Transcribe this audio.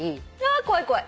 怖い怖い。